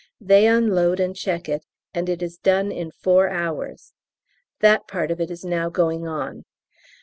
They unload and check it, and it is done in four hours. That part of it is now going on.